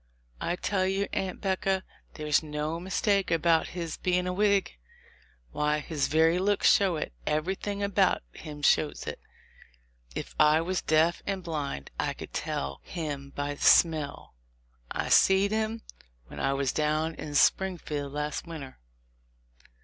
I tell you, Aunt 'Becca, there's no mistake about his being a Whig. Why, his very looks shows it ; everything about him shows it : if I was deaf and blind, I could tell him by the smell. I seed him when I was down in Springfield last winter.